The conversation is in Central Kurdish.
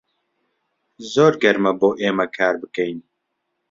زۆر گەرمە بۆ ئێمە کار بکەین.